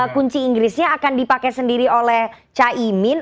kunci inggrisnya akan dipakai sendiri oleh caimin